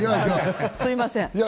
すみません。